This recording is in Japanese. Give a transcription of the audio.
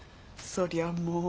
そりゃもう。